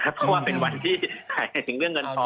เพราะว่าเป็นวันที่ขายถึงเรื่องเงินทอง